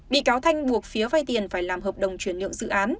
bị cáo thành buộc phía vai tiền phải làm hợp đồng chuyển lượng dự án